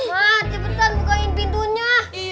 ma cepetan bukain pintunya